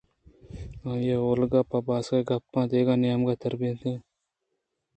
آئیءَ اولگا ءِ باسک گپت ءُدگہ نیمگے ترّینت